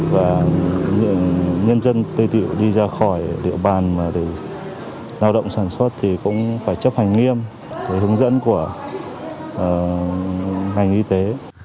và nhân dân tây tự đi ra khỏi địa bàn mà để lao động sản xuất thì cũng phải chấp hành nghiêm hướng dẫn của ngành y tế